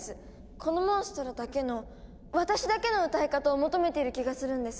このモンストロだけの私だけの歌い方を求めている気がするんです。